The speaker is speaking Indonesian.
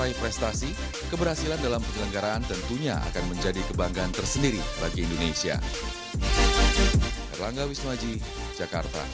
asean games meraih prestasi keberhasilan dalam pergelenggaraan tentunya akan menjadi kebanggaan tersendiri bagi indonesia